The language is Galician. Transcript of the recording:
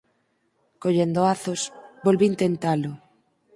Collendo azos, volvín tentalo.